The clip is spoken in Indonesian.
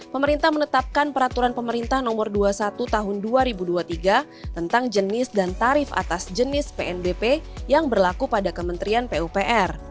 pemerintah menetapkan peraturan pemerintah nomor dua puluh satu tahun dua ribu dua puluh tiga tentang jenis dan tarif atas jenis pnbp yang berlaku pada kementerian pupr